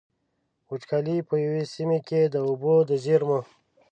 وچکالي په يوې سيمې کې د اوبو د زېرمو.